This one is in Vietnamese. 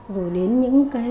rồi đến những cái